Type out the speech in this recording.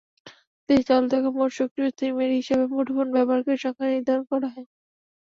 দেশে চালু থাকা মোট সক্রিয় সিমের হিসাবে মুঠোফোন ব্যবহারকারীর সংখ্যা নির্ধারণ করা হয়।